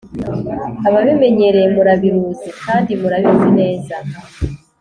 Ababimenyereye murabiruzi kandi murabizi neza